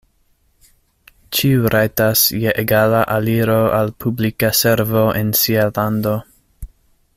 Ĉiu rajtas je egala aliro al publika servo en sia lando.